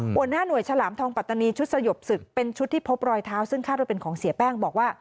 หัวหน้าหน่วยฉลามทองปัตตานีชุดสยบศึกเป็นชุดที่พบรอยเท้าซึ่งคาดว่าเป็นของเสียแป้งบอกว่า